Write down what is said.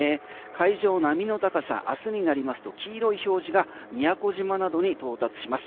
海上、波の高さ明日になりますと黄色い表示が宮古島などに到達します。